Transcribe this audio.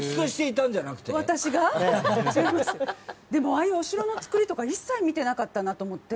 ああいうお城のつくりとか一切見てなかったなと思って。